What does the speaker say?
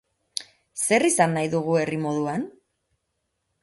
Zer izan nahi dugu herri moduan?